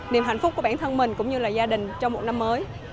niềm hạnh phúc của bản thân mình cũng như là gia đình trong một năm mới